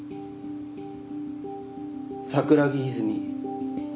桜木泉。